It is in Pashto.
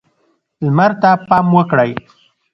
لمر ته پام وکړئ.